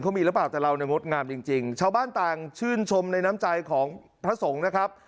เขามีหรือเปล่าแต่เราเนี่ยงดงามจริงจริงชาวบ้านต่างชื่นชมในน้ำใจของพระสงฆ์นะครับ